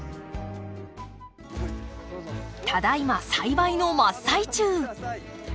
ただいま栽培の真っ最中。